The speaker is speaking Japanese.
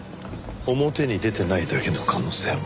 表に出てないだけの可能性も。